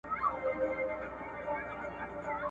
سرور ګويا